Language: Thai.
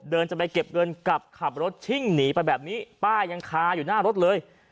จะไปเก็บเงินกลับขับรถชิ่งหนีไปแบบนี้ป้ายังคาอยู่หน้ารถเลย